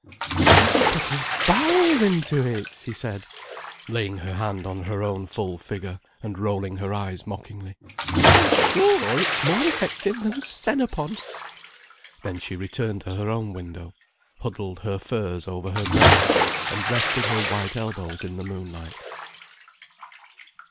"Doesn't he put his bowels into it—?" she said, laying her hand on her own full figure, and rolling her eyes mockingly. "I'm sure it's more effective than senna pods." Then she returned to her own window, huddled her furs over her breast, and rested her white elbows in the moonlight.